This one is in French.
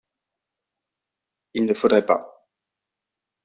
Il ne faudrait pas.